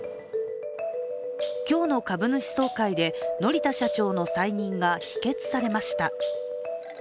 今日の株主総会で乗田社長の再任が否決されました。